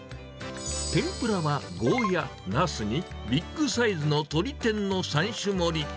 天ぷらはゴーヤ、ナスにビッグサイズの鶏天の３種盛り。